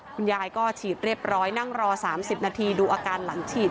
คุณยายก็ฉีดเรียบร้อยนั่งรอ๓๐นาทีดูอาการหลังฉีด